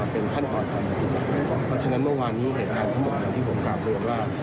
เพราะฉะนั้นเมื่อวานนี้เหตุการณ์ทั้งหมดที่ผมกลับเลยว่า